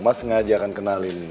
mas sengaja akan kenalin